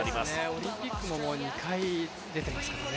オリンピックも２回出ていますからね。